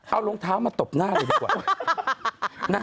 เอารองเท้ามาตบหน้าเลยดีกว่า